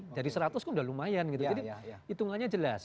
jadi seratus kan udah lumayan gitu jadi itungannya jelas